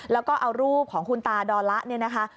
แล้วก็เอารูปของคุณตาดอละเนี่ยนะคะ